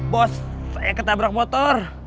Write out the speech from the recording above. bos saya ketabrak motor